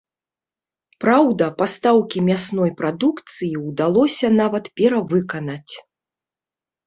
Праўда, пастаўкі мясной прадукцыі ўдалося нават перавыканаць.